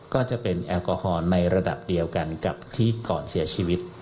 ก็จะเป็นแอลกอฮอล์ในระดับเดียวกันกับที่ก่อนเสียชีวิต